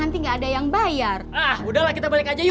katanya dia nyuruh kesini